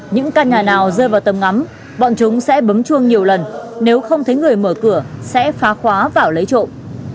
những căn nhà nào rơi vào tầm ngắm bọn chúng sẽ bấm chuông nhiều lần nếu không thấy người mở cửa sẽ phá khóa vào lấy trộm